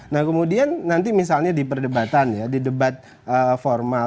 nah kemudian nanti misalnya di perdebatan ya di debat formal